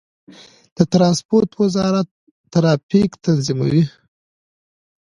د ترانسپورت وزارت ټرافیک تنظیموي